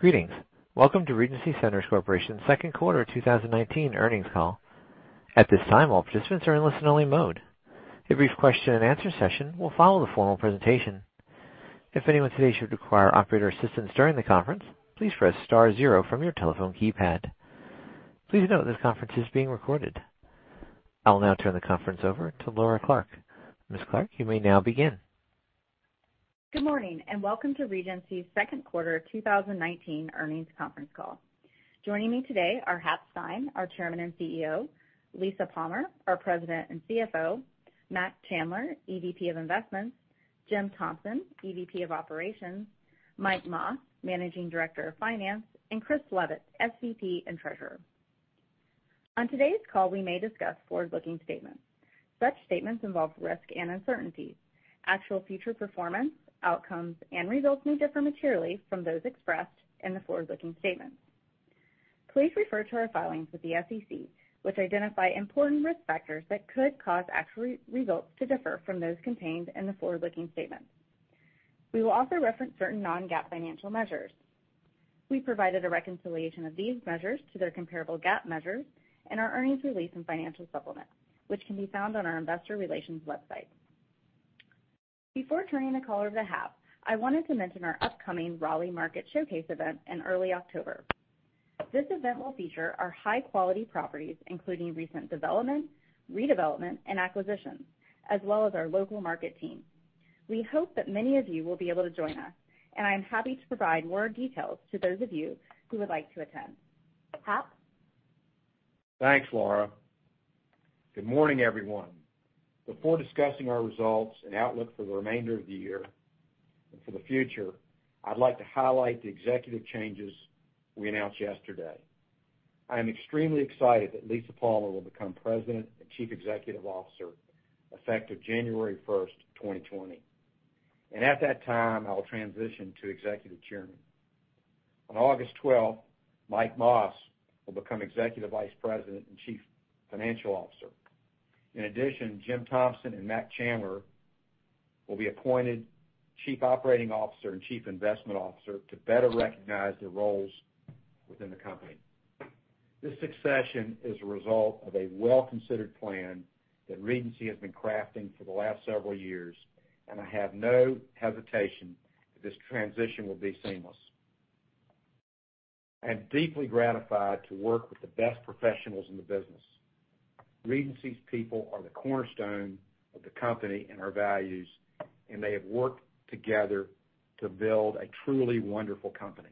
Greetings. Welcome to Regency Centers Corporation's second quarter 2019 earnings call. At this time, all participants are in listen-only mode. A brief question and answer session will follow the formal presentation. If anyone today should require operator assistance during the conference, please press star zero from your telephone keypad. Please note this conference is being recorded. I'll now turn the conference over to Laura Clark. Ms. Clark, you may now begin. Good morning, and welcome to Regency Centers' second quarter 2019 earnings conference call. Joining me today are Hap Stein, our Chairman and CEO, Lisa Palmer, our President and CFO, Mac Chandler, EVP of Investments, Jim Thompson, EVP of Operations, Mike Mas, Managing Director of Finance, and Chris Leavitt, SVP and Treasurer. On today's call, we may discuss forward-looking statements. Such statements involve risk and uncertainty. Actual future performance, outcomes, and results may differ materially from those expressed in the forward-looking statements. Please refer to our filings with the SEC, which identify important risk factors that could cause actual results to differ from those contained in the forward-looking statements. We will also reference certain non-GAAP financial measures. We provided a reconciliation of these measures to their comparable GAAP measures in our earnings release and financial supplement, which can be found on our investor relations website. Before turning the call over to Hap, I wanted to mention our upcoming Raleigh Market Showcase event in early October. This event will feature our high-quality properties, including recent developments, redevelopment, and acquisitions, as well as our local market team. We hope that many of you will be able to join us, and I am happy to provide more details to those of you who would like to attend. Hap? Thanks, Laura. Good morning, everyone. Before discussing our results and outlook for the remainder of the year and for the future, I'd like to highlight the executive changes we announced yesterday. I am extremely excited that Lisa Palmer will become President and Chief Executive Officer effective January 1, 2020. At that time, I will transition to executive chairman. On August 12, Mike Mas will become Executive Vice President and Chief Financial Officer. In addition, Jim Thompson and Mac Chandler will be appointed Chief Operating Officer and Chief Investment Officer to better recognize their roles within the company. This succession is a result of a well-considered plan that Regency has been crafting for the last several years, and I have no hesitation that this transition will be seamless. I am deeply gratified to work with the best professionals in the business. Regency's people are the cornerstone of the company and our values, and they have worked together to build a truly wonderful company.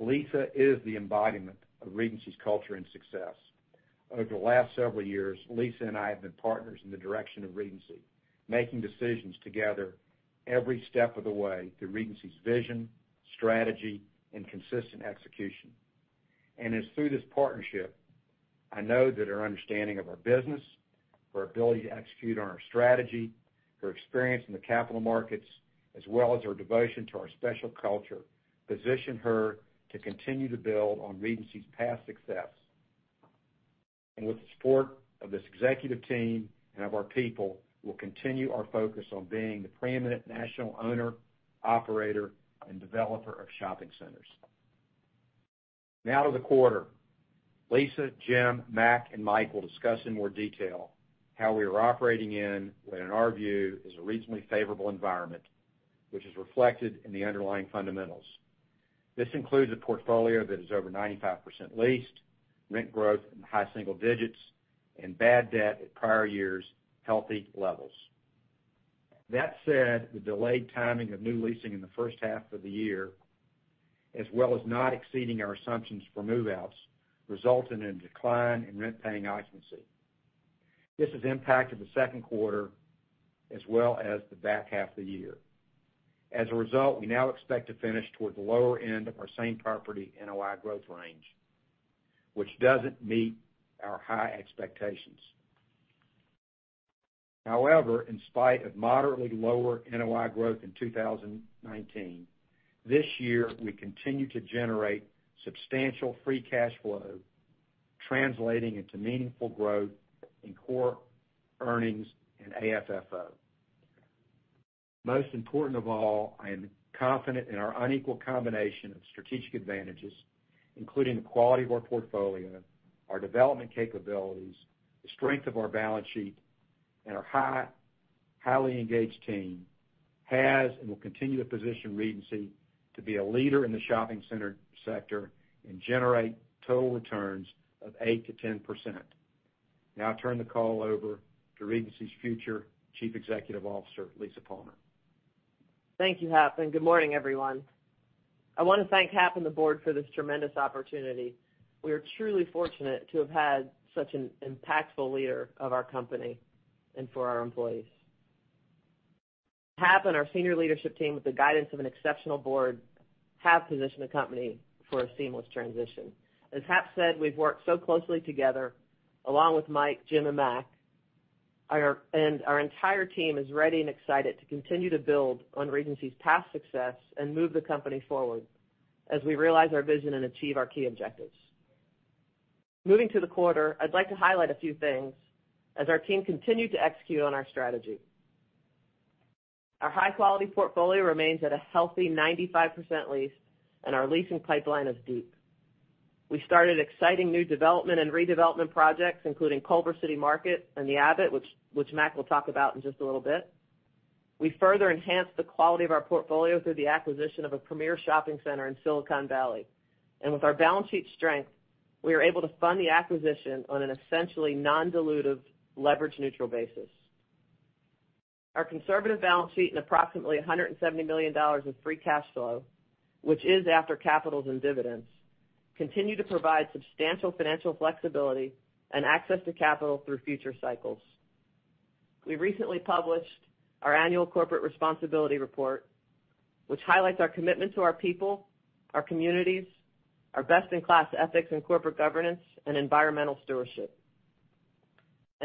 Lisa is the embodiment of Regency's culture and success. Over the last several years, Lisa and I have been partners in the direction of Regency, making decisions together every step of the way through Regency's vision, strategy, and consistent execution. It's through this partnership, I know that her understanding of our business, her ability to execute on our strategy, her experience in the capital markets, as well as her devotion to our special culture, position her to continue to build on Regency's past success. With the support of this executive team and of our people, we'll continue our focus on being the preeminent national owner, operator, and developer of shopping centers. Now to the quarter. Lisa, Jim, Mac, and Mike will discuss in more detail how we are operating in what, in our view, is a reasonably favorable environment, which is reflected in the underlying fundamentals. This includes a portfolio that is over 95% leased, rent growth in the high single digits, and bad debt at prior years' healthy levels. That said, the delayed timing of new leasing in the first half of the year, as well as not exceeding our assumptions for move-outs, resulted in a decline in rent-paying occupancy. This has impacted the second quarter as well as the back half of the year. As a result, we now expect to finish towards the lower end of our same property NOI growth range, which doesn't meet our high expectations. In spite of moderately lower NOI growth in 2019, this year, we continue to generate substantial free cash flow, translating into meaningful growth in core earnings and AFFO. Most important of all, I am confident in our unequal combination of strategic advantages, including the quality of our portfolio, our development capabilities, the strength of our balance sheet, and our highly engaged team has and will continue to position Regency to be a leader in the shopping center sector and generate total returns of 8%-10%. I turn the call over to Regency's future Chief Executive Officer, Lisa Palmer. Thank you, Hap. Good morning, everyone. I want to thank Hap and the board for this tremendous opportunity. We are truly fortunate to have had such an impactful leader of our company and for our employees. Hap and our senior leadership team, with the guidance of an exceptional board, have positioned the company for a seamless transition. As Hap said, we've worked so closely together, along with Mike Mas, Jim, and Mac, and our entire team is ready and excited to continue to build on Regency's past success and move the company forward as we realize our vision and achieve our key objectives. Moving to the quarter, I'd like to highlight a few things as our team continued to execute on our strategy. Our high-quality portfolio remains at a healthy 95% leased, and our leasing pipeline is deep. We started exciting new development and redevelopment projects, including Culver Public Market and The Abbot, which Mac will talk about in just a little bit. We further enhanced the quality of our portfolio through the acquisition of a premier shopping center in Silicon Valley. With our balance sheet strength, we are able to fund the acquisition on an essentially non-dilutive, leverage-neutral basis. Our conservative balance sheet and approximately $170 million in free cash flow, which is after CapEx and dividends, continue to provide substantial financial flexibility and access to capital through future cycles. We recently published our annual corporate responsibility report, which highlights our commitment to our people, our communities, our best-in-class ethics and corporate governance, and environmental stewardship.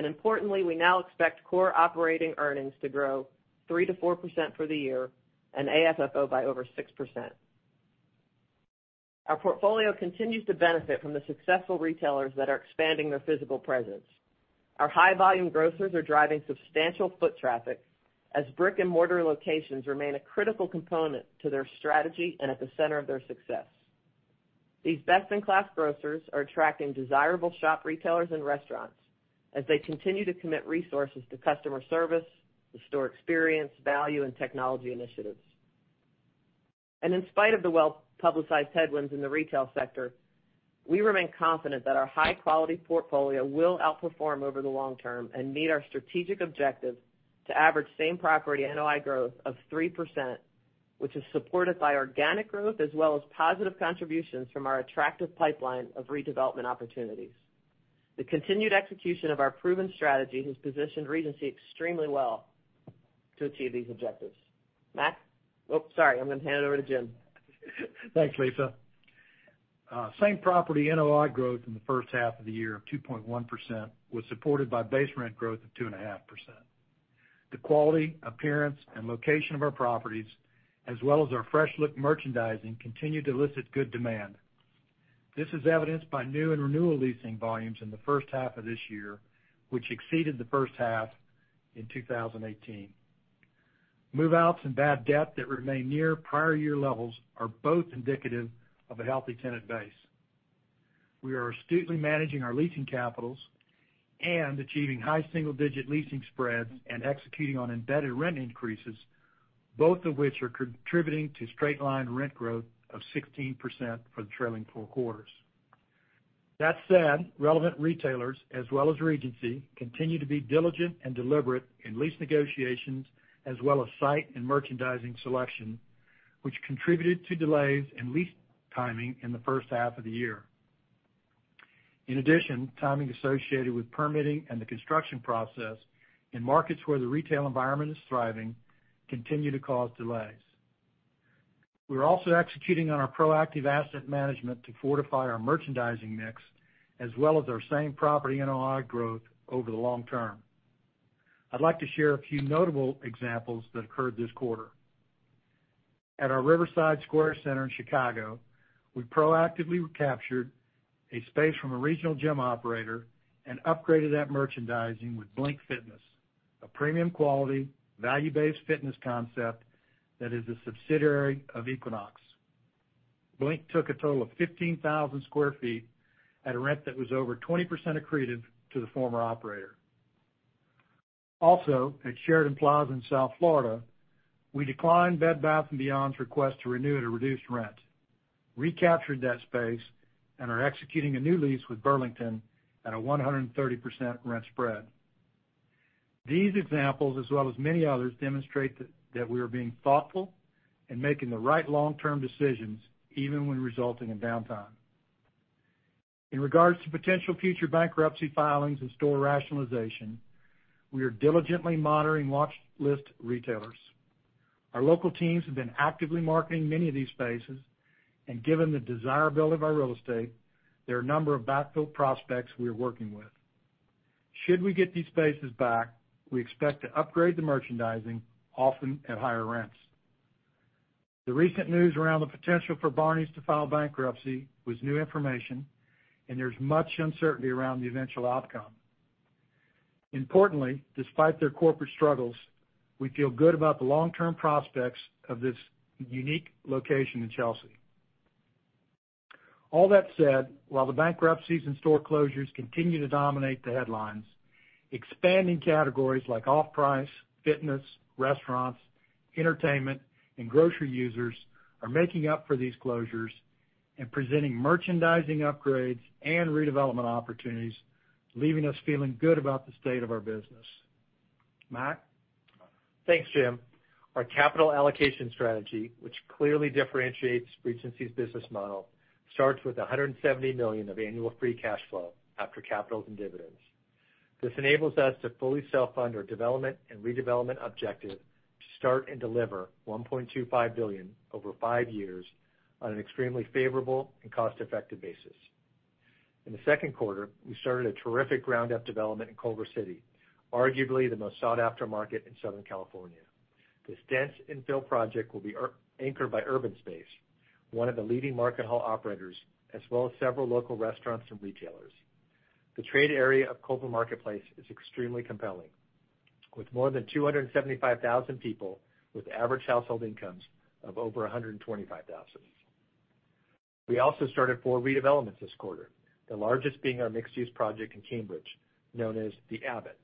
Importantly, we now expect core operating earnings to grow 3%-4% for the year and AFFO by over 6%. Our portfolio continues to benefit from the successful retailers that are expanding their physical presence. Our high-volume grocers are driving substantial foot traffic as brick-and-mortar locations remain a critical component to their strategy and at the center of their success. These best-in-class grocers are attracting desirable shop retailers and restaurants as they continue to commit resources to customer service, the store experience, value, and technology initiatives. In spite of the well-publicized headwinds in the retail sector, we remain confident that our high-quality portfolio will outperform over the long term and meet our strategic objective to average same-property NOI growth of 3%, which is supported by organic growth as well as positive contributions from our attractive pipeline of redevelopment opportunities. The continued execution of our proven strategy has positioned Regency extremely well to achieve these objectives. Mac. Oh, sorry. I'm going to hand it over to Jim. Thanks, Lisa. Same-property NOI growth in the first half of the year of 2.1% was supported by base rent growth of 2.5%. The quality, appearance, and location of our properties, as well as our fresh look merchandising continued to elicit good demand. This is evidenced by new and renewal leasing volumes in the first half of this year, which exceeded the first half in 2018. Move-outs and bad debt that remain near prior year levels are both indicative of a healthy tenant base. We are astutely managing our leasing capitals and achieving high single-digit leasing spreads and executing on embedded rent increases, both of which are contributing to straight-line rent growth of 16% for the trailing four quarters. That said, relevant retailers, as well as Regency, continue to be diligent and deliberate in lease negotiations as well as site and merchandising selection, which contributed to delays in lease timing in the first half of the year. Timing associated with permitting and the construction process in markets where the retail environment is thriving continue to cause delays. We're also executing on our proactive asset management to fortify our merchandising mix as well as our same-property NOI growth over the long term. I'd like to share a few notable examples that occurred this quarter. At our Riverside Square Center in Chicago, we proactively recaptured a space from a regional gym operator and upgraded that merchandising with Blink Fitness, a premium-quality, value-based fitness concept that is a subsidiary of Equinox. Blink took a total of 15,000 square feet at a rent that was over 20% accretive to the former operator. Also, at Sheridan Plaza in South Florida, we declined Bed Bath & Beyond's request to renew at a reduced rent, recaptured that space, and are executing a new lease with Burlington at a 130% rent spread. These examples, as well as many others, demonstrate that we are being thoughtful and making the right long-term decisions, even when resulting in downtime. In regards to potential future bankruptcy filings and store rationalization, we are diligently monitoring watch list retailers. Our local teams have been actively marketing many of these spaces, and given the desirability of our real estate, there are a number of backfill prospects we are working with. Should we get these spaces back, we expect to upgrade the merchandising, often at higher rents. The recent news around the potential for Barneys to file bankruptcy was new information, and there's much uncertainty around the eventual outcome. Importantly, despite their corporate struggles, we feel good about the long-term prospects of this unique location in Chelsea. All that said, while the bankruptcies and store closures continue to dominate the headlines, expanding categories like off-price, fitness, restaurants, entertainment, and grocery users are making up for these closures and presenting merchandising upgrades and redevelopment opportunities, leaving us feeling good about the state of our business. Mac? Thanks, Jim. Our capital allocation strategy, which clearly differentiates Regency's business model, starts with $170 million of annual free cash flow after CapEx and dividends. This enables us to fully self-fund our development and redevelopment objective to start and deliver $1.25 billion over 5 years on an extremely favorable and cost-effective basis. In the second quarter, we started a terrific ground-up development in Culver City, arguably the most sought-after market in Southern California. This dense infill project will be anchored by Urbanspace, one of the leading market hall operators, as well as several local restaurants and retailers. The trade area of Culver Public Market is extremely compelling, with more than 275,000 people with average household incomes of over $125,000. We also started four redevelopments this quarter, the largest being our mixed-use project in Cambridge, known as The Abbot.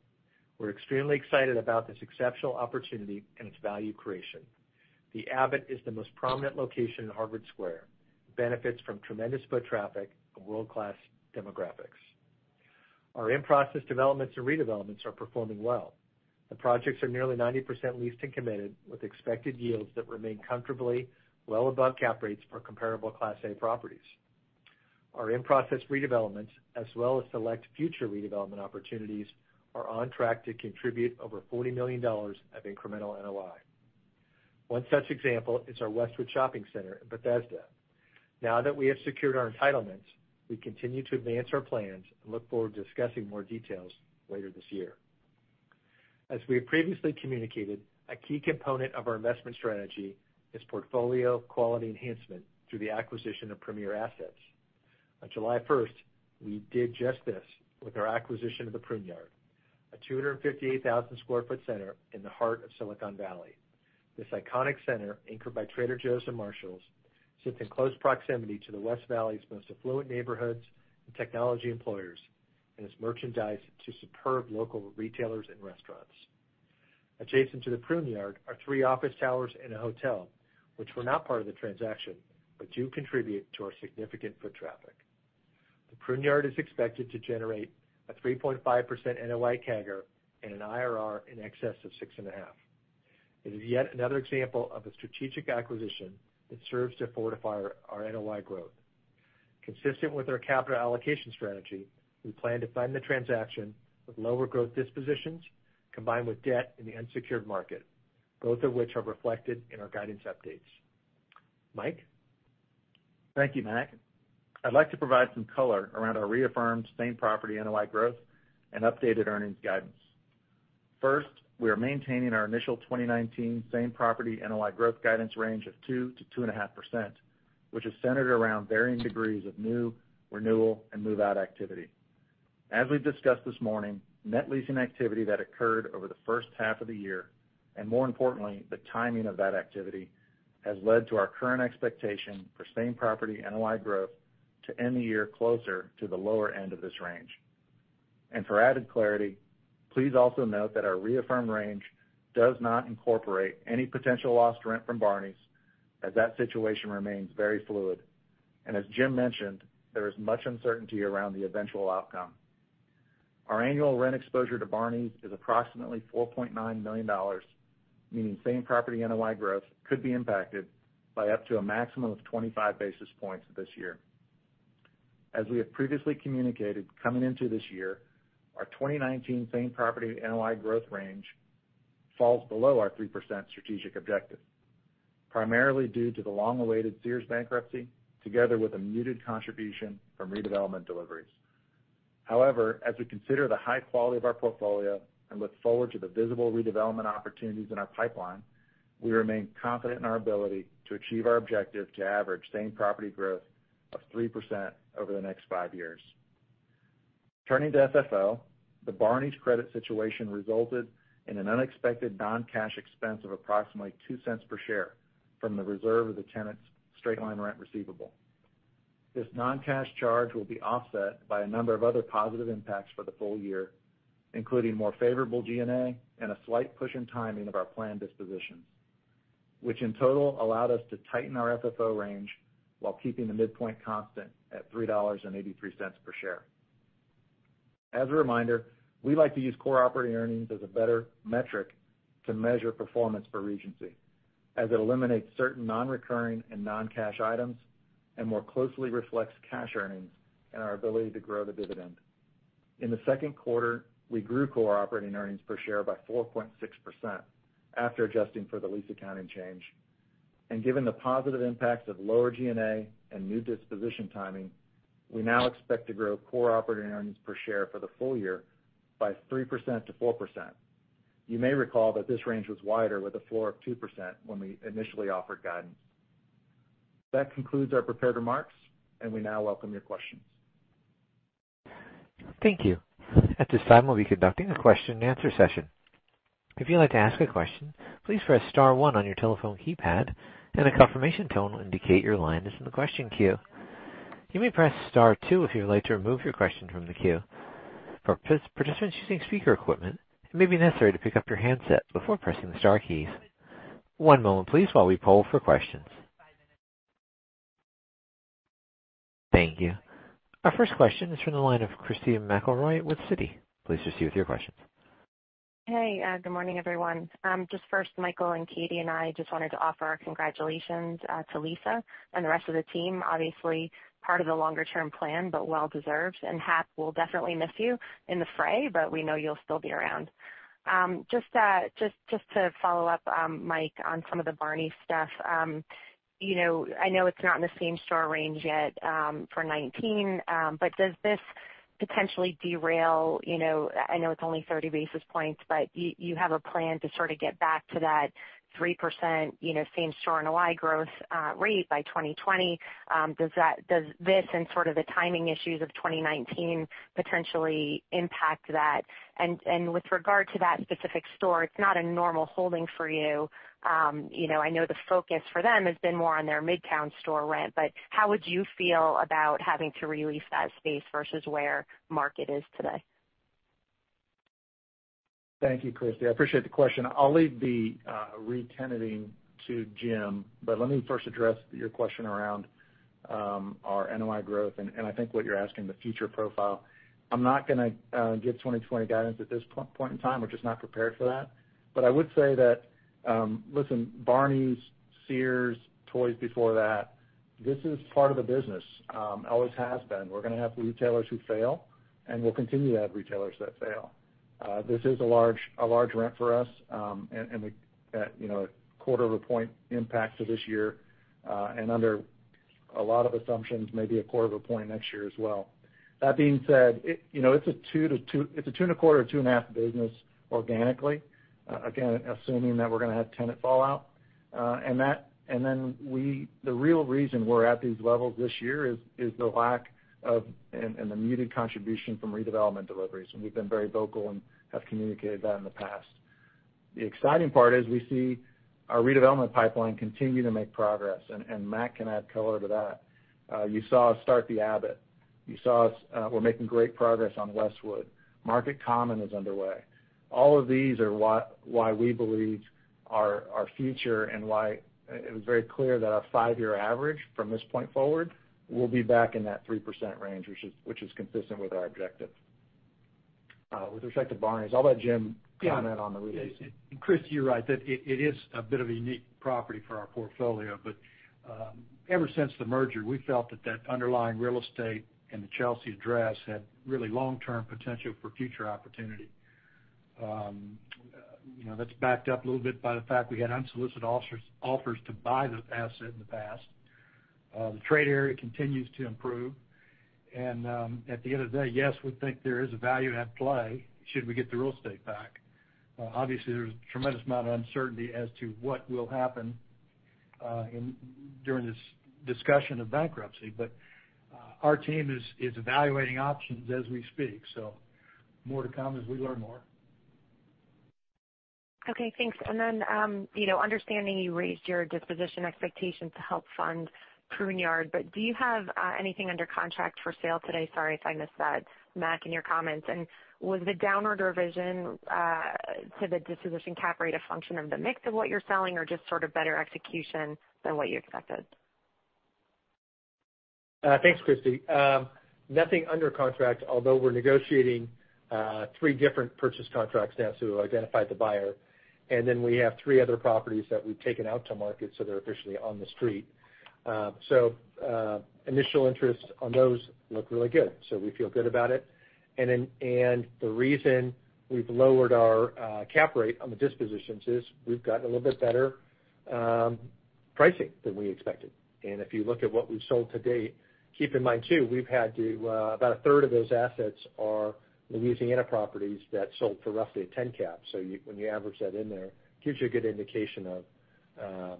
We're extremely excited about this exceptional opportunity and its value creation. The Abbot is the most prominent location in Harvard Square. It benefits from tremendous foot traffic and world-class demographics. Our in-process developments and redevelopments are performing well. The projects are nearly 90% leased and committed, with expected yields that remain comfortably well above cap rates for comparable Class A properties. Our in-process redevelopments, as well as select future redevelopment opportunities, are on track to contribute over $40 million of incremental NOI. One such example is our Westbard Square in Bethesda. Now that we have secured our entitlements, we continue to advance our plans and look forward to discussing more details later this year. As we have previously communicated, a key component of our investment strategy is portfolio quality enhancement through the acquisition of premier assets. On July 1st, we did just this with our acquisition of The PruneYard, a 258,000 square foot center in the heart of Silicon Valley. This iconic center, anchored by Trader Joe's and Marshalls, sits in close proximity to the West Valley's most affluent neighborhoods and technology employers and is merchandised to superb local retailers and restaurants. Adjacent to The PruneYard are three office towers and a hotel, which were not part of the transaction but do contribute to our significant foot traffic. The PruneYard is expected to generate a 3.5% NOI CAGR and an IRR in excess of 6.5%. It is yet another example of a strategic acquisition that serves to fortify our NOI growth. Consistent with our capital allocation strategy, we plan to fund the transaction with lower growth dispositions, combined with debt in the unsecured market, both of which are reflected in our guidance updates. Mike? Thank you, Mac. I'd like to provide some color around our reaffirmed same-property NOI growth and updated earnings guidance. First, we are maintaining our initial 2019 same-property NOI growth guidance range of 2%-2.5%, which is centered around varying degrees of new, renewal, and move-out activity. As we've discussed this morning, net leasing activity that occurred over the first half of the year, and more importantly, the timing of that activity, has led to our current expectation for same-property NOI growth to end the year closer to the lower end of this range. For added clarity, please also note that our reaffirmed range does not incorporate any potential lost rent from Barneys, as that situation remains very fluid. As Jim mentioned, there is much uncertainty around the eventual outcome. Our annual rent exposure to Barneys is approximately $4.9 million, meaning same-property NOI growth could be impacted by up to a maximum of 25 basis points this year. We have previously communicated coming into this year, our 2019 same-property NOI growth range falls below our 3% strategic objective, primarily due to the long-awaited Sears bankruptcy, together with a muted contribution from redevelopment deliveries. As we consider the high quality of our portfolio and look forward to the visible redevelopment opportunities in our pipeline, we remain confident in our ability to achieve our objective to average same-property growth of 3% over the next five years. Turning to FFO, the Barneys credit situation resulted in an unexpected non-cash expense of approximately $0.02 per share from the reserve of the tenant's straight-line rent receivable. This non-cash charge will be offset by a number of other positive impacts for the full year, including more favorable G&A and a slight push in timing of our planned dispositions, which in total allowed us to tighten our FFO range while keeping the midpoint constant at $3.83 per share. As a reminder, we like to use core operating earnings as a better metric to measure performance for Regency, as it eliminates certain non-recurring and non-cash items, and more closely reflects cash earnings and our ability to grow the dividend. In the second quarter, we grew core operating earnings per share by 4.6% after adjusting for the lease accounting change. Given the positive impacts of lower G&A and new disposition timing, we now expect to grow core operating earnings per share for the full year by 3% to 4%. You may recall that this range was wider with a floor of 2% when we initially offered guidance. That concludes our prepared remarks, and we now welcome your questions. Thank you. At this time, we'll be conducting a question and answer session. If you'd like to ask a question, please press *1 on your telephone keypad, and a confirmation tone will indicate your line is in the question queue. You may press *2 if you would like to remove your question from the queue. For participants using speaker equipment, it may be necessary to pick up your handset before pressing the star keys. One moment please while we poll for questions. Thank you. Our first question is from the line of Christy McElroy with Citi. Please proceed with your questions Hey, good morning, everyone. Just first, Michael and Katie and I just wanted to offer our congratulations to Lisa and the rest of the team. Obviously, part of the longer-term plan, well-deserved. Hap, we'll definitely miss you in the fray, we know you'll still be around. Just to follow up, Mike, on some of the Barneys stuff. I know it's not in the same-store range yet for 2019, does this potentially derail I know it's only 30 basis points, you have a plan to sort of get back to that 3% same-store NOI growth rate by 2020. Does this and sort of the timing issues of 2019 potentially impact that? With regard to that specific store, it's not a normal holding for you. I know the focus for them has been more on their midtown store rent, but how would you feel about having to re-lease that space versus where market is today? Thank you, Christy. I appreciate the question. I'll leave the re-tenanting to Jim, but let me first address your question around our NOI growth, and I think what you're asking, the future profile. I'm not going to give 2020 guidance at this point in time. We're just not prepared for that. I would say that, listen, Barneys, Sears, Toys before that, this is part of the business. Always has been. We're going to have retailers who fail, and we'll continue to have retailers that fail. This is a large rent for us, and a quarter of a point impact to this year, and under a lot of assumptions, maybe a quarter of a point next year as well. That being said, it's a 2.25%-2.5% business organically. Again, assuming that we're going to have tenant fallout. The real reason we're at these levels this year is the lack of, and the muted contribution from redevelopment deliveries. We've been very vocal and have communicated that in the past. The exciting part is we see our redevelopment pipeline continue to make progress, and Mac can add color to that. You saw us start The Abbot. We're making great progress on Westwood. Market Common is underway. All of these are why we believe our future and why it was very clear that our five-year average from this point forward will be back in that 3% range, which is consistent with our objective. With respect to Barneys, I'll let Jim comment on the re-lease. Christy, you're right, that it is a bit of a unique property for our portfolio. Ever since the merger, we felt that underlying real estate and the Chelsea address had really long-term potential for future opportunity. That's backed up a little bit by the fact we had unsolicited offers to buy the asset in the past. The trade area continues to improve. At the end of the day, yes, we think there is a value at play should we get the real estate back. Obviously, there's a tremendous amount of uncertainty as to what will happen during this discussion of bankruptcy. Our team is evaluating options as we speak. More to come as we learn more. Okay, thanks. Understanding you raised your disposition expectations to help fund PruneYard, do you have anything under contract for sale today? Sorry if I missed that, Mac, in your comments. Was the downward revision to the disposition cap rate a function of the mix of what you're selling or just sort of better execution than what you expected? Thanks, Christy. Nothing under contract, although we're negotiating three different purchase contracts now, so we've identified the buyer. We have three other properties that we've taken out to market, so they're officially on the street. Initial interest on those look really good. We feel good about it. The reason we've lowered our cap rate on the dispositions is we've gotten a little bit better pricing than we expected. If you look at what we've sold to date, keep in mind too, about a third of those assets are Louisiana properties that sold for roughly a 10 cap. When you average that in there, gives you a good indication of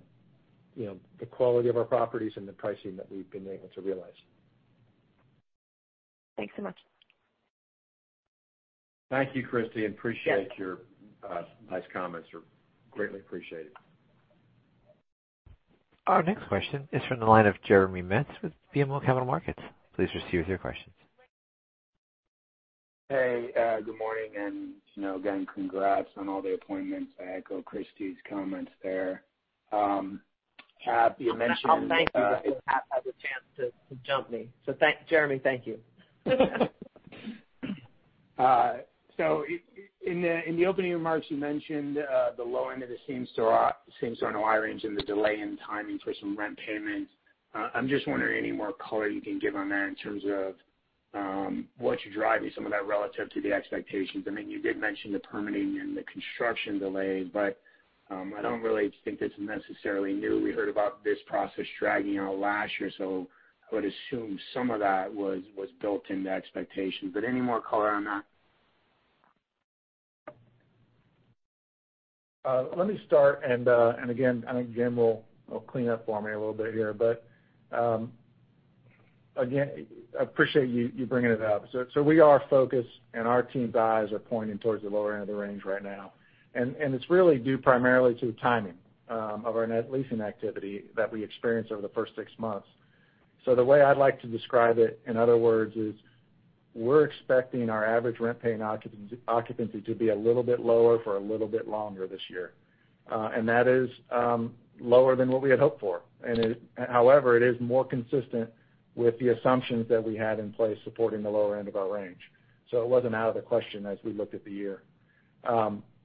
the quality of our properties and the pricing that we've been able to realize. Thanks so much. Thank you, Christy. Appreciate your nice comments, are greatly appreciated. Our next question is from the line of Jeremy Metz with BMO Capital Markets. Please proceed with your questions. Hey, good morning, and again, congrats on all the appointments. I echo Christy's comments there. Hap, you mentioned- I'll thank you, but then Hap has a chance to jump me. Jeremy, thank you. In the opening remarks, you mentioned the low end of the same-store NOI range and the delay in timing for some rent payments. I'm just wondering, any more color you can give on there in terms of what's driving some of that relative to the expectations? I mean, you did mention the permitting and the construction delays, but I don't really think that's necessarily new. We heard about this process dragging out last year, so I would assume some of that was built into expectations. Any more color on that? Let me start, and again, I think Jim will clean up for me a little bit here. Again, appreciate you bringing it up. We are focused, and our team's eyes are pointing towards the lower end of the range right now. It's really due primarily to timing of our net leasing activity that we experienced over the first six months. The way I'd like to describe it, in other words, is we're expecting our average rent-paying occupancy to be a little bit lower for a little bit longer this year. That is lower than what we had hoped for. However, it is more consistent with the assumptions that we had in place supporting the lower end of our range. It wasn't out of the question as we looked at the year.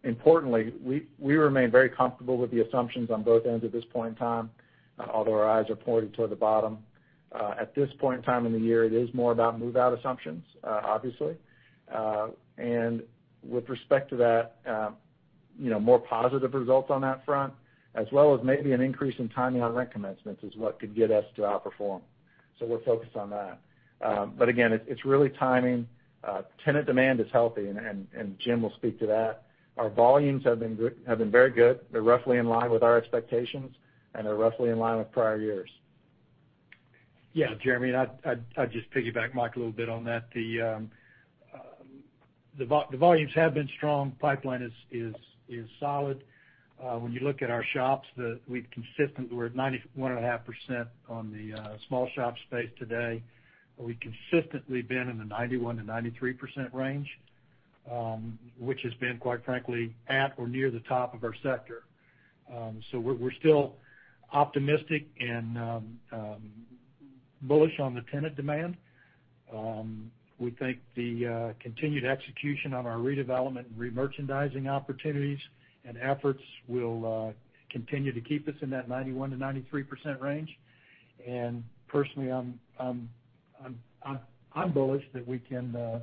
Importantly, we remain very comfortable with the assumptions on both ends at this point in time, although our eyes are pointed toward the bottom. At this point in time in the year, it is more about move-out assumptions, obviously. With respect to that, more positive results on that front, as well as maybe an increase in timing on rent commencements is what could get us to outperform. We're focused on that. Again, it's really timing. Tenant demand is healthy, and Jim will speak to that. Our volumes have been very good. They're roughly in line with our expectations, and they're roughly in line with prior years. Yeah, Jeremy, I'd just piggyback Mike a little bit on that. The volumes have been strong. Pipeline is solid. When you look at our shops, we're at 91.5% on the small shop space today. We've consistently been in the 91%-93% range, which has been, quite frankly, at or near the top of our sector. We're still optimistic and bullish on the tenant demand. We think the continued execution on our redevelopment and remerchandising opportunities and efforts will continue to keep us in that 91%-93% range. Personally, I'm bullish that we can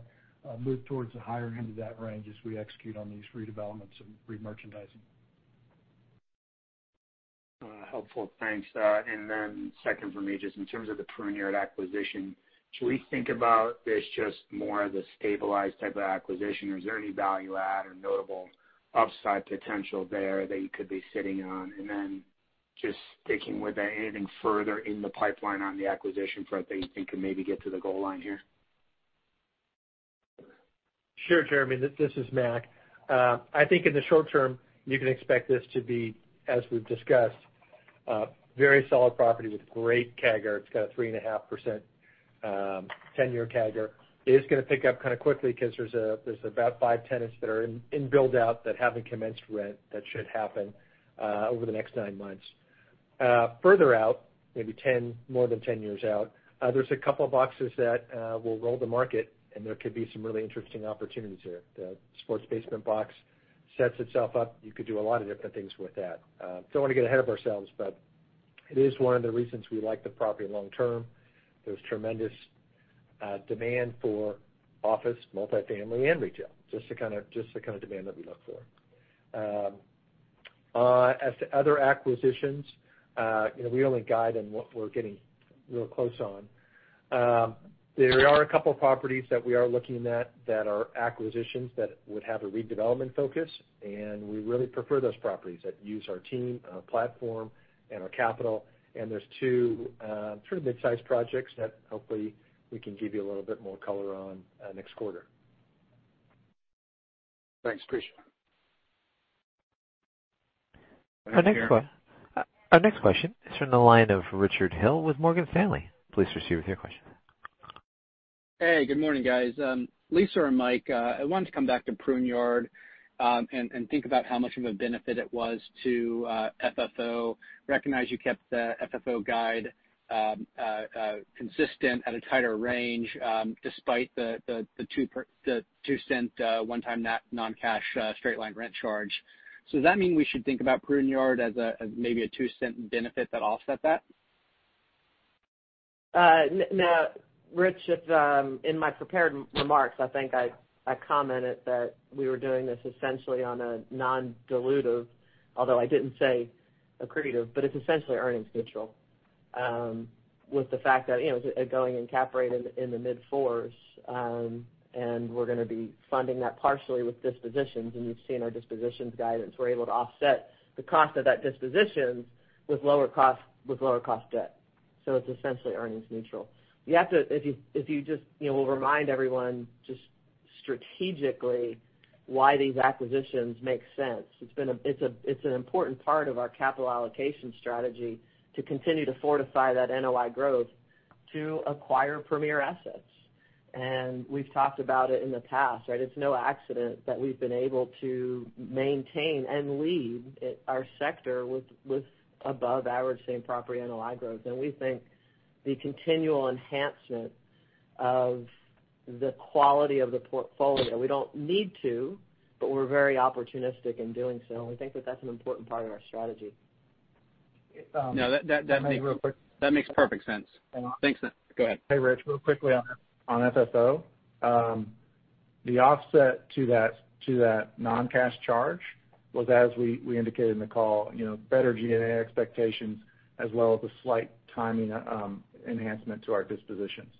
move towards the higher end of that range as we execute on these redevelopments and remerchandising. Helpful. Thanks. Second from me, just in terms of the PruneYard acquisition, should we think about this just more as a stabilized type of acquisition, or is there any value add or notable upside potential there that you could be sitting on? Just sticking with that, anything further in the pipeline on the acquisition front that you think could maybe get to the goal line here? Sure, Jeremy. This is Mac. I think in the short term, you can expect this to be, as we've discussed, a very solid property with great CAGR. It's got a 3.5% 10-year CAGR. It is going to pick up kind of quickly because there's about five tenants that are in build-out that haven't commenced rent. That should happen over the next nine months. Further out, maybe more than 10 years out, there's a couple of boxes that will roll the market, and there could be some really interesting opportunities here. The Sports Basement box sets itself up. You could do a lot of different things with that. Don't want to get ahead of ourselves, but it is one of the reasons we like the property long term. There's tremendous demand for office, multi-family, and retail, just the kind of demand that we look for. As to other acquisitions, we only guide on what we're getting real close on. There are a couple of properties that we are looking at that are acquisitions that would have a redevelopment focus, and we really prefer those properties that use our team, our platform, and our capital. There's two midsize projects that, hopefully, we can give you a little bit more color on next quarter. Thanks. Appreciate it. Jeremy- Our next question is from the line of Richard Hill with Morgan Stanley. Please proceed with your question. Hey, good morning, guys. Lisa or Mike, I wanted to come back to PruneYard, and think about how much of a benefit it was to FFO. Recognize you kept the FFO guide consistent at a tighter range, despite the $0.02 one-time net non-cash straight line rent charge. Does that mean we should think about PruneYard as maybe a $0.02 benefit that offset that? No. Rich, in my prepared remarks, I think I commented that we were doing this essentially on a non-dilutive, although I didn't say accretive, but it's essentially earnings neutral. With the fact that it's going cap rated in the mid-fours, and we're going to be funding that partially with dispositions, and you've seen our dispositions guidance. We're able to offset the cost of that disposition with lower cost debt. It's essentially earnings neutral. We'll remind everyone just strategically why these acquisitions make sense. It's an important part of our capital allocation strategy to continue to fortify that NOI growth to acquire premier assets. We've talked about it in the past, right? It's no accident that we've been able to maintain and lead our sector with above average same property NOI growth. We think the continual enhancement of the quality of the portfolio, we don't need to, but we're very opportunistic in doing so, and we think that that's an important part of our strategy. No. Can I real quick- That makes perfect sense. Thanks. Go ahead. Hey, Rich, real quickly on FFO. The offset to that non-cash charge was, as we indicated in the call, better G&A expectations, as well as a slight timing enhancement to our dispositions.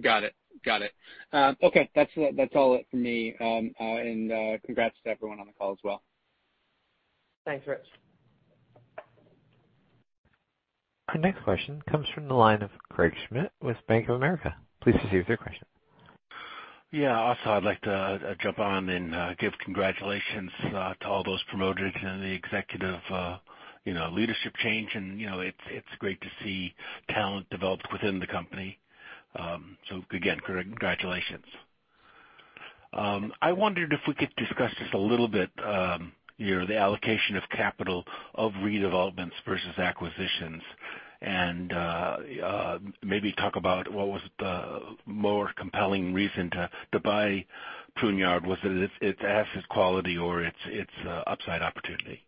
Got it. Okay. That's all it from me. Congrats to everyone on the call as well. Thanks, Rich. Our next question comes from the line of Craig Schmidt with Bank of America. Please proceed with your question. Yeah, I'd like to jump on and give congratulations to all those promoted and the executive leadership change, and it's great to see talent developed within the company. Again, congratulations. I wondered if we could discuss just a little bit the allocation of capital of redevelopments versus acquisitions, and maybe talk about what was the more compelling reason to buy PruneYard. Was it its asset quality or its upside opportunity?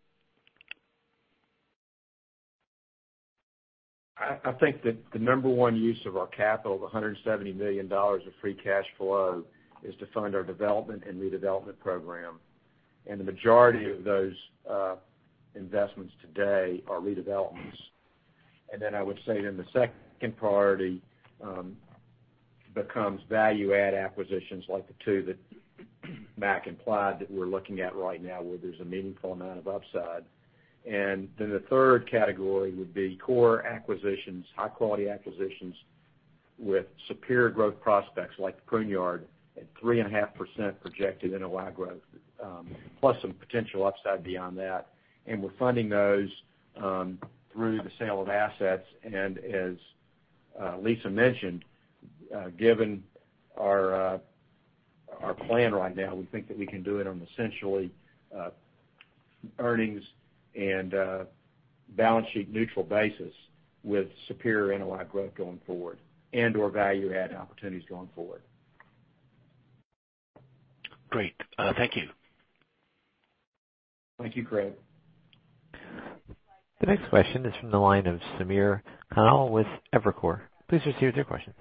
I think that the number 1 use of our capital, the $170 million of free cash flow, is to fund our development and redevelopment program. The majority of those investments today are redevelopments. I would say then the second priority becomes value add acquisitions like the two that Mac implied that we're looking at right now, where there's a meaningful amount of upside. The third category would be core acquisitions, high-quality acquisitions with superior growth prospects like PruneYard at 3.5% projected NOI growth, plus some potential upside beyond that. We're funding those through the sale of assets. As Lisa mentioned, given our plan right now, we think that we can do it on essentially earnings and balance sheet neutral basis with superior NOI growth going forward and/or value add opportunities going forward. Great. Thank you. Thank you, Craig. The next question is from the line of Samir Khanal with Evercore. Please proceed with your question.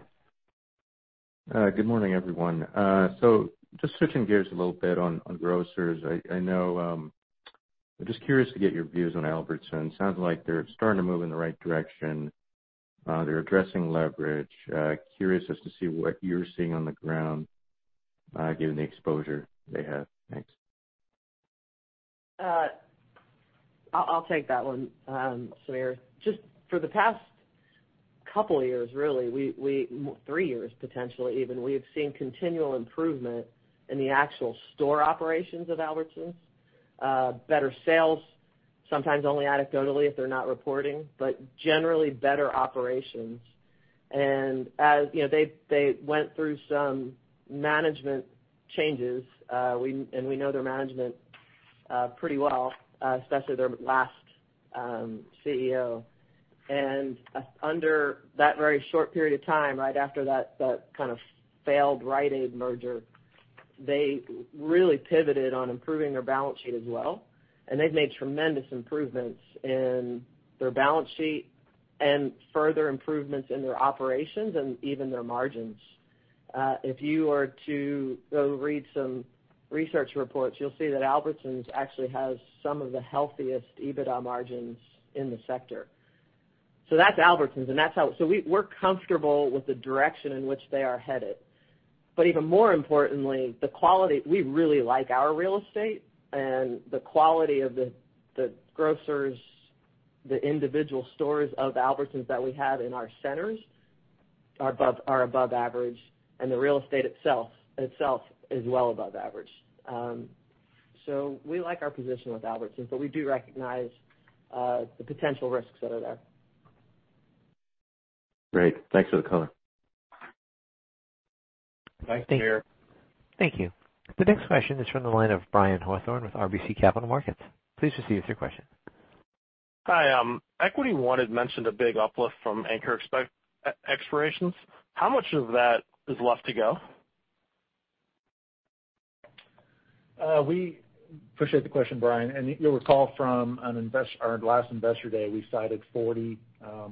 Good morning, everyone. Just switching gears a little bit on grocers. I'm just curious to get your views on Albertsons. Sounds like they're starting to move in the right direction. They're addressing leverage. Curious as to see what you're seeing on the ground given the exposure they have. Thanks. I'll take that one, Samir. Just for the past couple of years, really, three years potentially even, we have seen continual improvement in the actual store operations of Albertsons. Better sales, sometimes only anecdotally if they're not reporting, but generally better operations. As they went through some management changes, and we know their management pretty well, especially their last CEO. Under that very short period of time, right after that kind of failed Rite Aid merger, they really pivoted on improving their balance sheet as well, and they've made tremendous improvements in their balance sheet and further improvements in their operations and even their margins. If you were to go read some research reports, you'll see that Albertsons actually has some of the healthiest EBITDA margins in the sector. That's Albertsons, so we're comfortable with the direction in which they are headed. Even more importantly, we really like our real estate and the quality of the grocers, the individual stores of Albertsons that we have in our centers are above average, and the real estate itself is well above average. We like our position with Albertsons, but we do recognize the potential risks that are there. Great. Thanks for the color. Thanks, Samir. Thank you. The next question is from the line of Brian Hawthorne with RBC Capital Markets. Please proceed with your question. Hi. Equity One had mentioned a big uplift from anchor expirations. How much of that is left to go? We appreciate the question, Brian, you'll recall from our last investor day, we cited 40,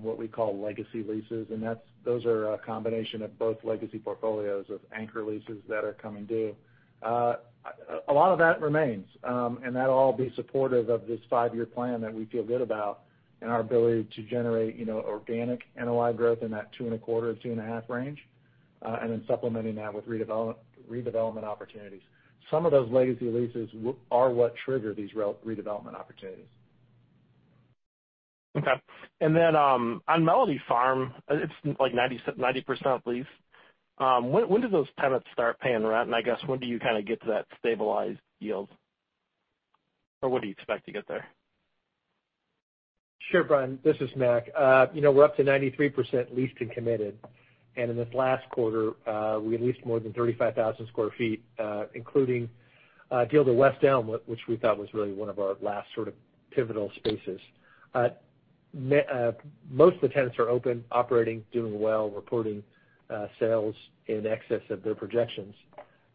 what we call legacy leases, and those are a combination of both legacy portfolios of anchor leases that are coming due. A lot of that remains, and that'll all be supportive of this five-year plan that we feel good about and our ability to generate organic NOI growth in that 2.25%-2.5% range. Supplementing that with redevelopment opportunities. Some of those legacy leases are what trigger these redevelopment opportunities. Okay. On Mellody Farm, it's like 90% leased. When do those tenants start paying rent? I guess when do you kind of get to that stabilized yield? What do you expect to get there? Sure, Brian, this is Mac. We're up to 93% leased and committed, and in this last quarter, we leased more than 35,000 sq ft, including a deal to West Elm, which we thought was really one of our last sort of pivotal spaces. Most of the tenants are open, operating, doing well, reporting sales in excess of their projections.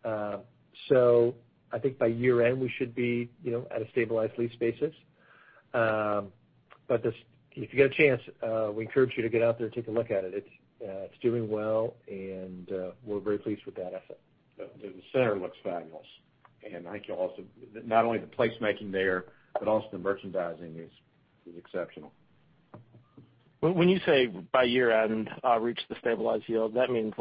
I think by year-end, we should be at a stabilized lease basis. If you get a chance, we encourage you to get out there and take a look at it. It's doing well, and we're very pleased with that asset. The center looks fabulous. I think also, not only the placemaking there, but also the merchandising is exceptional. When you say by year-end reach the stabilized yield, that means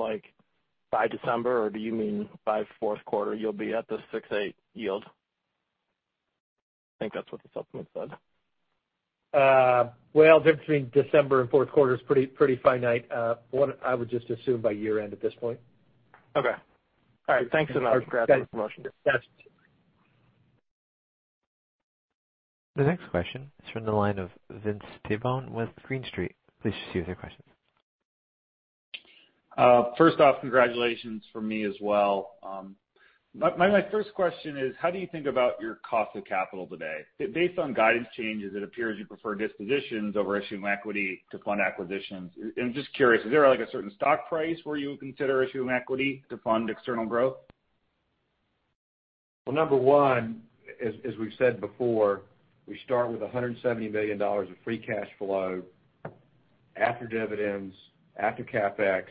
by December? Or do you mean by fourth quarter you'll be at the 6.8% yield? I think that's what the supplement said. Well, the difference between December and fourth quarter is pretty finite. What I would just assume by year-end at this point. Okay. All right. Thanks so much for answering the question. The next question is from the line of Vince Tibone with Green Street. Please proceed with your questions. First off, congratulations from me as well. My first question is, how do you think about your cost of capital today? Based on guidance changes, it appears you prefer dispositions over issuing equity to fund acquisitions. I'm just curious, is there a certain stock price where you would consider issuing equity to fund external growth? Number one, as we've said before, we start with $170 million of free cash flow after dividends, after CapEx.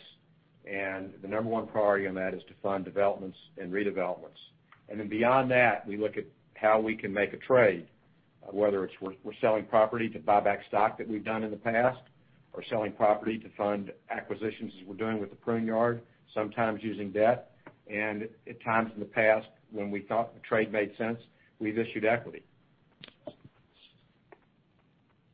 The number one priority on that is to fund developments and redevelopments. Beyond that, we look at how we can make a trade, whether it's we're selling property to buy back stock that we've done in the past or selling property to fund acquisitions as we're doing with the PruneYard, sometimes using debt. At times in the past when we thought the trade made sense, we've issued equity.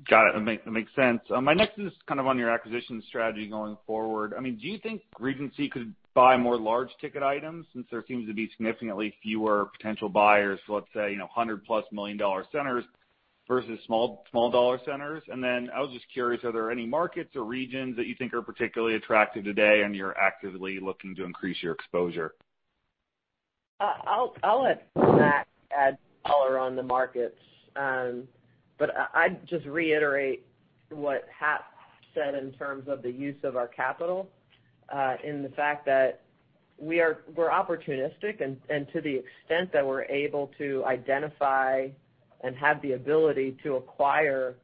Got it. That makes sense. My next is on your acquisition strategy going forward. Do you think Regency could buy more large ticket items since there seems to be significantly fewer potential buyers, let's say, $100 plus million dollar centers versus small dollar centers? I was just curious, are there any markets or regions that you think are particularly attractive today and you're actively looking to increase your exposure? I'll let Mac add color on the markets. I'd just reiterate what Hap said in terms of the use of our capital, in the fact that we're opportunistic and to the extent that we're able to identify and have the ability to acquire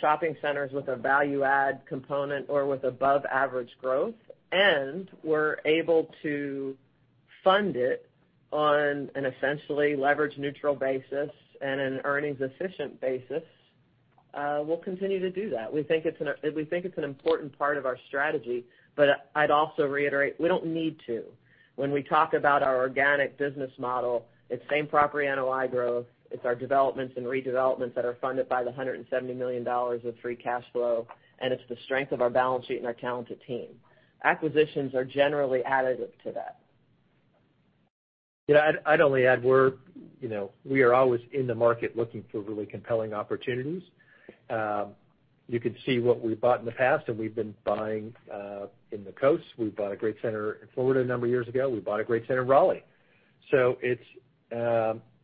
shopping centers with a value add component or with above average growth, and we're able to fund it on an essentially leverage neutral basis and an earnings efficient basis, we'll continue to do that. We think it's an important part of our strategy, but I'd also reiterate we don't need to. When we talk about our organic business model, it's same property NOI growth. It's our developments and redevelopments that are funded by the $170 million of free cash flow, and it's the strength of our balance sheet and our talented team. Acquisitions are generally additive to that. Yeah, I'd only add we are always in the market looking for really compelling opportunities. You could see what we've bought in the past, and we've been buying in the coast. We bought a great center in Florida a number of years ago. We bought a great center in Raleigh.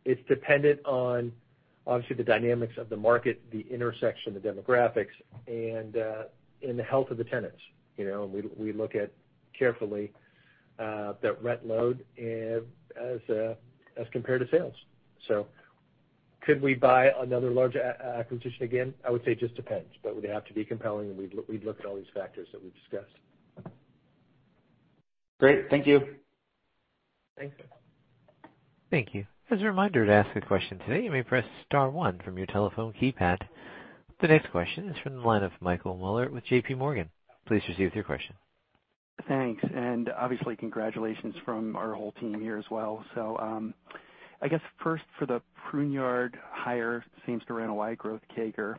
It's dependent on, obviously, the dynamics of the market, the intersection, the demographics, and the health of the tenants. We look at carefully, that rent load as compared to sales. Could we buy another large acquisition again? I would say it just depends, but it would have to be compelling and we'd look at all these factors that we've discussed. Great. Thank you. Thanks. Thank you. As a reminder to ask a question today, you may press star one from your telephone keypad. The next question is from the line of Michael Mueller with JPMorgan. Please proceed with your question. Thanks. Obviously congratulations from our whole team here as well. I guess first for the PruneYard higher same store NOI growth CAGR.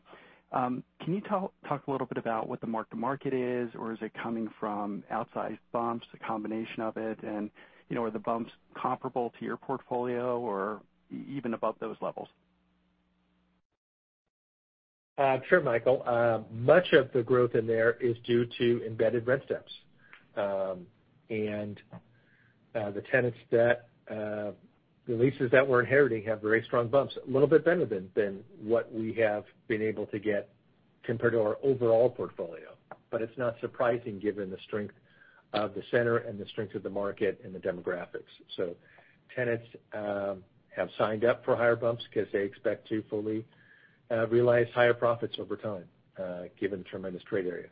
Can you talk a little bit about what the mark to market is, or is it coming from outsized bumps, a combination of it, and are the bumps comparable to your portfolio or even above those levels? Sure, Michael. Much of the growth in there is due to embedded rent steps. The leases that we're inheriting have very strong bumps, a little bit better than what we have been able to get compared to our overall portfolio. It's not surprising given the strength of the center and the strength of the market and the demographics. Tenants have signed up for higher bumps because they expect to fully realize higher profits over time, given tremendous trade area.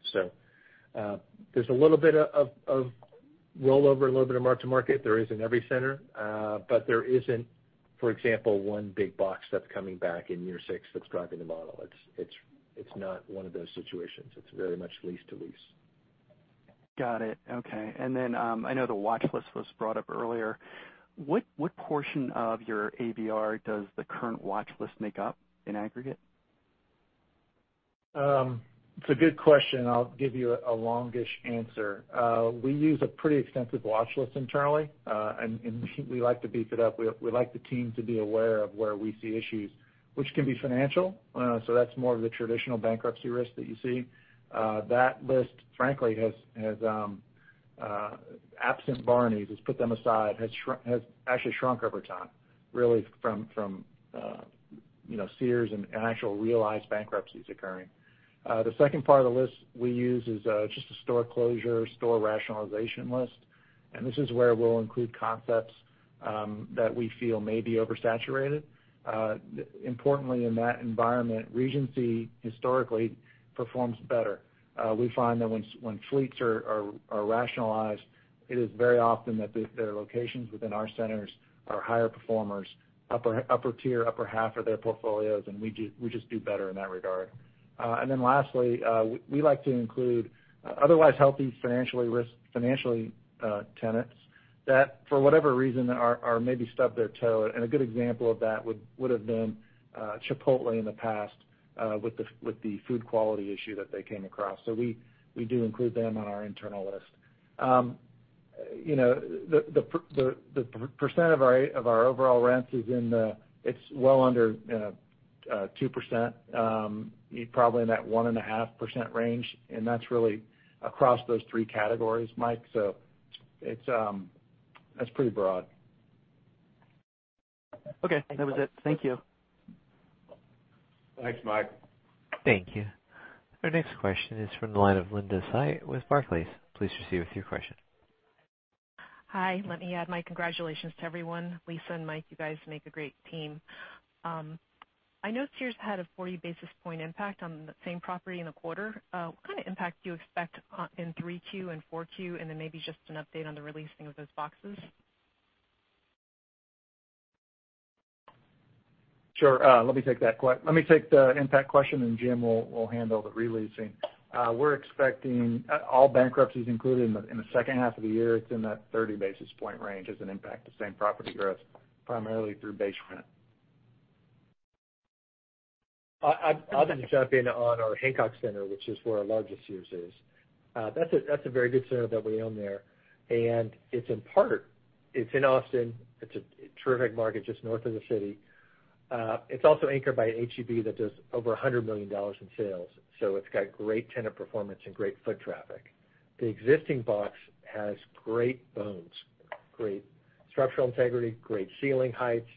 There's a little bit of rollover, a little bit of mark to market. There is in every center. There isn't, for example, one big box that's coming back in year six that's driving the model. It's not one of those situations. It's very much lease to lease. Got it. Okay. I know the watch list was brought up earlier. What portion of your ABR does the current watch list make up in aggregate? It's a good question. I'll give you a longish answer. We use a pretty extensive watch list internally, and we like to beef it up. We like the team to be aware of where we see issues, which can be financial. That's more of the traditional bankruptcy risk that you see. That list, frankly, absent Barneys, let's put them aside, has actually shrunk over time, really from Sears and actual realized bankruptcies occurring. The second part of the list we use is just a store closure, store rationalization list, and this is where we'll include concepts that we feel may be oversaturated. Importantly, in that environment, Regency historically performs better. We find that when fleets are rationalized, it is very often that their locations within our centers are higher performers, upper tier, upper half of their portfolios, and we just do better in that regard. Lastly, we like to include otherwise healthy financially tenants that, for whatever reason, have maybe stubbed their toe. A good example of that would have been Chipotle in the past, with the food quality issue that they came across. We do include them on our internal list. The percent of our overall rents, it's well under 2%, probably in that 1.5% range. That's really across those three categories, Mike, that's pretty broad. Okay. That was it. Thank you. Thanks, Mike. Thank you. Our next question is from the line of Linda Tsai with Barclays. Please proceed with your question. Hi. Let me add my congratulations to everyone. Lisa and Mike, you guys make a great team. I know Sears had a 40-basis point impact on same property in the quarter. What kind of impact do you expect in 3Q and 4Q? Then maybe just an update on the releasing of those boxes. Sure. Let me take the impact question, and Jim will handle the releasing. We're expecting all bankruptcies included in the second half of the year. It's in that 30-basis point range as an impact to same property growth, primarily through base rent. I'll just jump in on our Hancock Center, which is where our largest Sears is. That's a very good center that we own there. It's in Austin. It's a terrific market just north of the city. It's also anchored by an H-E-B that does over $100 million in sales. It's got great tenant performance and great foot traffic. The existing box has great bones, great structural integrity, great ceiling heights,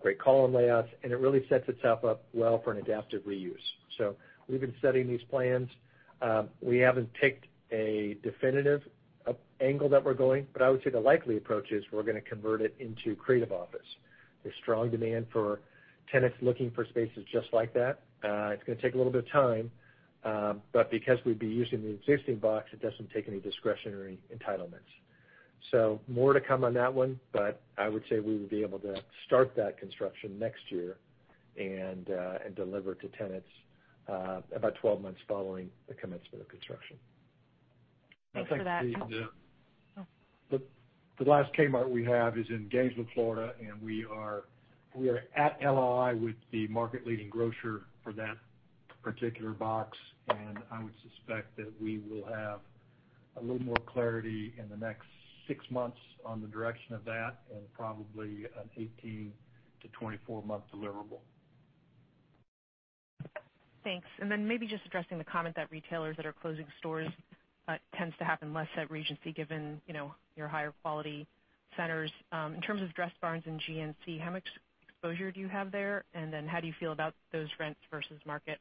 great column layouts, and it really sets itself up well for an adaptive reuse. We've been studying these plans. We haven't picked a definitive angle that we're going, but I would say the likely approach is we're going to convert it into creative office. There's strong demand for tenants looking for spaces just like that. It's going to take a little bit of time. Because we'd be using the existing box, it doesn't take any discretionary entitlements. More to come on that one. I would say we would be able to start that construction next year and deliver to tenants about 12 months following the commencement of construction. Thanks for that. The last Kmart we have is in Gainesville, Florida, and we are at LOI with the market-leading grocer for that particular box, and I would suspect that we will have a little more clarity in the next six months on the direction of that and probably an 18- to 24-month deliverable. Thanks. Maybe just addressing the comment that retailers that are closing stores tends to happen less at Regency given your higher quality centers. In terms of Dressbarn and GNC, how much exposure do you have there? How do you feel about those rents versus market?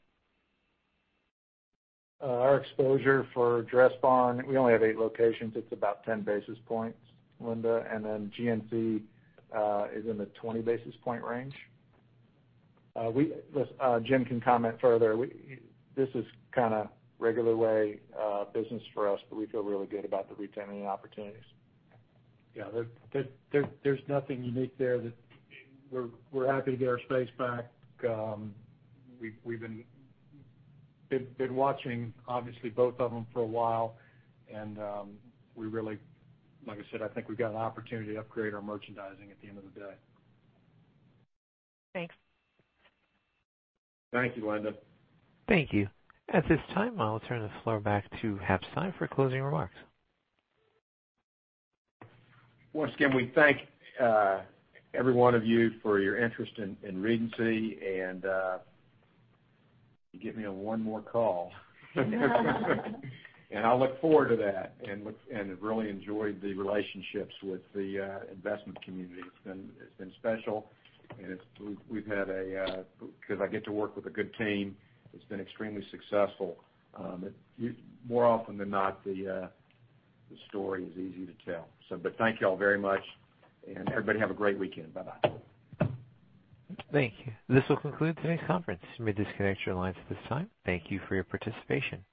Our exposure for Dressbarn, we only have eight locations. It's about 10 basis points, Linda, and then GNC is in the 20-basis point range. Jim can comment further. This is kind of regular way business for us, but we feel really good about the retaining opportunities. Yeah. There's nothing unique there. We're happy to get our space back. We've been watching, obviously, both of them for a while, and like I said, I think we've got an opportunity to upgrade our merchandising at the end of the day. Thanks. Thank you, Linda. Thank you. At this time, I'll turn the floor back to Hap Stein for closing remarks. Once again, we thank every one of you for your interest in Regency, and you give me one more call. I'll look forward to that and have really enjoyed the relationships with the investment community. It's been special, because I get to work with a good team that's been extremely successful. More often than not, the story is easy to tell. Thank you all very much, and everybody have a great weekend. Bye-bye. Thank you. This will conclude today's conference. You may disconnect your lines at this time. Thank you for your participation.